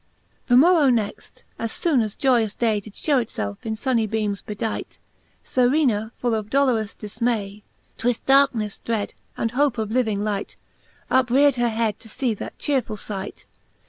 The morrow next, fo ibone as joyous day Did fhew it felfe in funny beames bedight, Serena full of dolorous difinay, Twixt darkenefle dread, and hope of living light, Uprear'd her head to fee that chearefull fight.